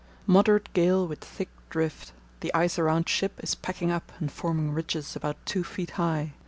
Moderate gale with thick drift. The ice around ship is packing up and forming ridges about two feet high.